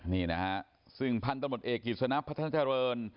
นี่นะครับซึ่งพันธุ์ตำรวจเอกกฤษณะพระธรรณ